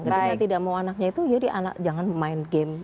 ketika tidak mau anaknya itu jadi anak jangan main game